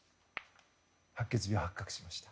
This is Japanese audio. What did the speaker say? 白血病、発覚しました。